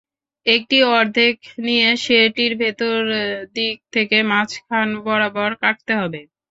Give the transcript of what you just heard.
একটি অর্ধেক নিয়ে সেটির ভেতর দিক থেকে মাঝখান বরাবর কাটতে হবে।